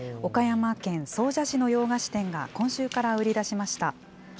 岡山県総社市の洋菓子店が今週から売り出しました。